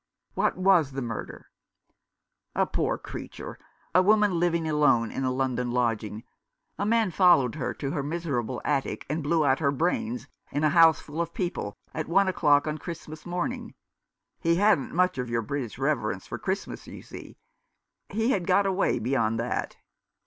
" What was the murder ?" "A poor creature — a woman living alone in a London lodging. A man followed her to her miserable attic and blew out her brains, in a house full of people, at one o'clock on Christmas morn ing. He hadn't much of your British reverence for Christmas, you see. He had got a way beyond that."